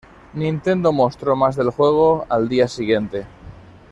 Nintendo mostró más del juego al día siguiente.